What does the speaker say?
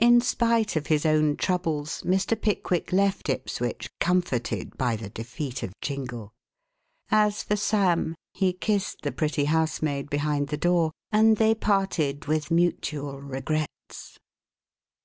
In spite of his own troubles Mr. Pickwick left Ipswich comforted by the defeat of Jingle. As for Sam, he kissed the pretty housemaid behind the door and they parted with mutual regrets.